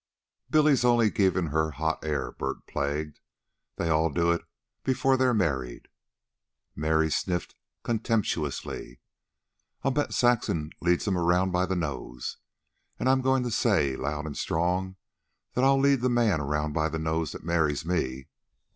"Billy's only givin' her hot air," Bert plagued. "They all do it before they're married." Mary sniffed contemptuously. "I'll bet Saxon leads him around by the nose. And I'm goin' to say, loud an' strong, that I'll lead the man around by the nose that marries me."